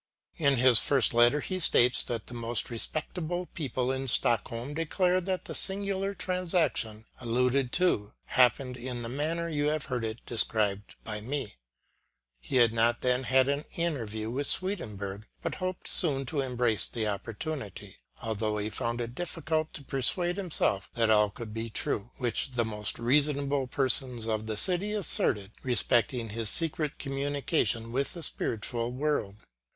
In his first letter, he states that the most respectable people in Stockholm declare that the singular transaction alluded to happened in the manner you have heard described by me. He had not then had an interview with Swedenborg, but hoped soon to embrace the .opportunity ; although he found it difficult to persuade himself that KANTS LETTER ON SWEDENBORG. 157 all could be true, which the most reasonable persons of the city asserted, respecting his secret communication with the spiritual world.